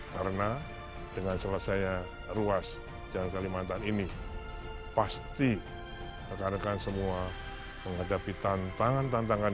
karena dengan selesainya ruas jalan kalimantan ini pasti rekan rekan semua menghadapi tantangan tantangan